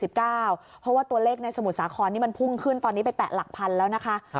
เพราะว่าตัวเลขในสมุทรสาครนี่มันพุ่งขึ้นตอนนี้ไปแตะหลักพันแล้วนะคะ